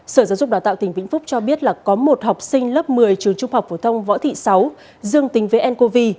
sở giáo dục đào tạo tỉnh vĩnh phúc cho biết là có một học sinh lớp một mươi trường trung học phổ thông võ thị sáu dương tính với ncov